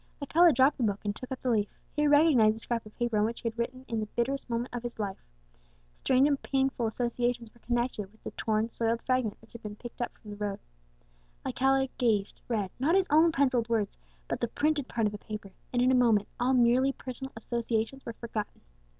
Alcala dropped the book, and took up the leaf; he recognized the scrap of paper on which he had written in the bitterest moment of his life. Strange and painful associations were connected with the torn, soiled fragment which had been picked up from the road. Alcala gazed, read not his own pencilled words, but the printed part of the paper and in a moment all merely personal associations were forgotten.